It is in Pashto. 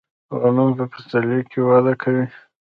غنم په پسرلي کې وده کوي.